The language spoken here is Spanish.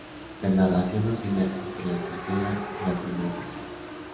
La narración oscila entre la tercera y la primera persona.